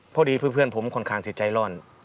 พอดีเพื่อนผมค่อนข้างจิตใจร่อน